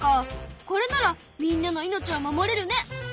これならみんなの命を守れるね。